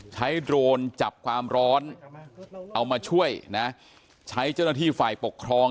โดรนจับความร้อนเอามาช่วยนะใช้เจ้าหน้าที่ฝ่ายปกครอง